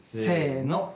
せの。